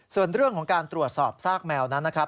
ส่วนเรื่องของการตรวจสอบซากแมวนั้นนะครับ